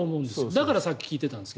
だからさっき聞いてたんですが。